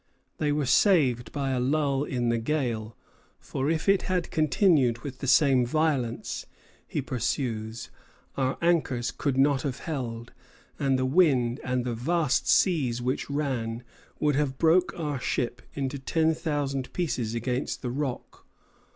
They were saved by a lull in the gale; for if it had continued with the same violence, he pursues, "our anchors could not have held, and the wind and the vast seas which ran, would have broke our ship into ten thousand pieces against the rocks.